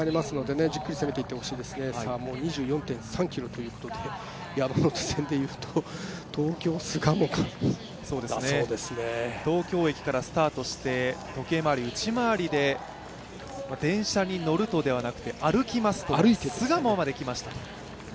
２４．３ｋｍということで山手線でいうと東京−巣鴨間東京駅からスタートして内回りで電車に乗るとではなくて、歩いて巣鴨まで来ました。